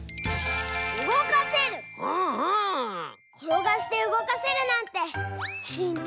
ころがしてうごかせるなんてしんって